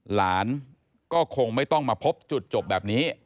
หลานก็คงไม่ต้องมาพบจุดจบแบบนี้